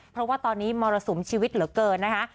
เพราะว่าตอนนี้มรสุมชีวิตเหลือเกินนะคะ